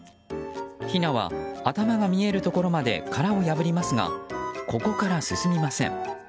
ひなは、頭が見えるところまで殻を破りますがここから進みません。